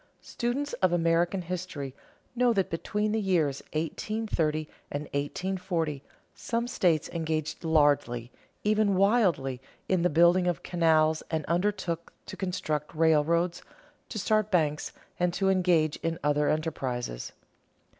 Students of American history know that between the years 1830 and 1840 some states engaged largely, even wildly, in the building of canals and undertook to construct railroads, to start banks, and to engage in other enterprises.